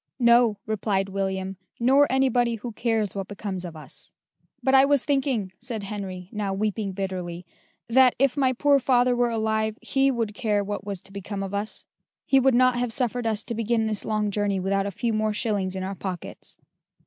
"No," replied William, "nor anybody who cares what becomes of us." "But I was thinking," said Henry, now weeping bitterly, "that, if my poor father were alive, he would care what was to become of us: he would not have suffered us to begin this long journey without a few more shillings in our pockets."